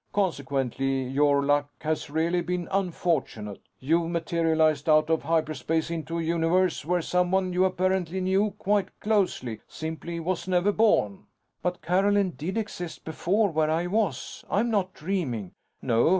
Consequently, your luck has really been unfortunate. You've materialized out of hyperspace into a universe where someone you apparently knew quite closely simply was never born." "But Carolyn did exist before ... where I was? I'm not dreaming." "No.